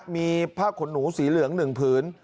มีผ้าขนหนูสีเหลือง๑ผืน